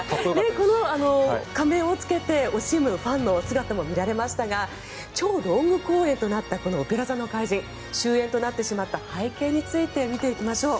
この仮面をつけて惜しむファンの姿も見られましたが超ロング公演となったこの「オペラ座の怪人」終演となってしまった背景について見ていきましょう。